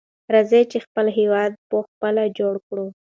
راځئ چې خپل هېواد په خپله جوړ کړو.